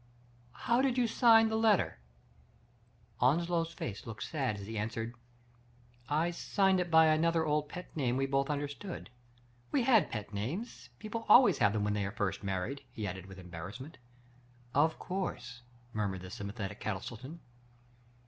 " How did you sign the letter ?'* Onslow's face looked sad as he answered :" I signed it by another old pet name we both understood. We had pet names — people always have when they are first married," he added with embarrassment. " Of course," murmured the sympathetic Castle ton.